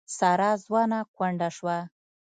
ساره ځوانه کونډه شوه.